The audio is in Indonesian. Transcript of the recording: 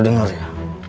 lo dengar ya